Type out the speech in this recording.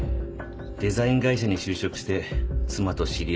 デザイン会社に就職して妻と知り合いました。